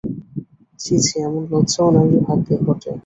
ছি ছি, এমন লজ্জাও নারীর ভাগ্যে ঘটে।